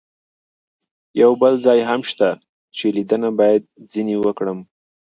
یو بل ځای هم شته چې لیدنه باید ځنې وکړم.